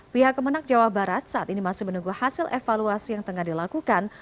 pihak kemenak jawa barat saat ini masih menunggu hasil evaluasi yang tengah dilakukan